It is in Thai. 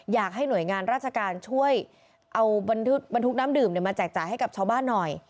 อยากให้หน่วยงานราชการช่วยเอาบรรทุกน้ำดื่มมาแจกจ่ายให้กับชาวบ้านหน่อย